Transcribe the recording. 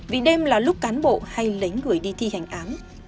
vì đêm là lúc cán bộ hay lấy người đi thi hành án